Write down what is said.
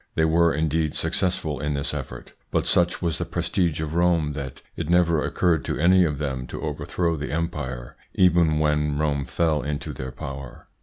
They were, indeed, successful in this effort, but such was the prestige of Rome, that it never occurred to any of them to overthrow the empire, even when Rome fell into their power.